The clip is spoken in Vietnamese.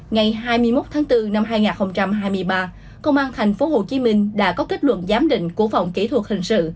ngày hai mươi một tháng bốn năm hai nghìn hai mươi ba công an tp hcm đã có kết luận giám định của phòng kỹ thuật hình sự